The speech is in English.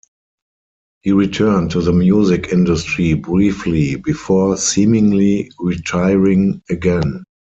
He returned to the music industry briefly, before seemingly retiring again.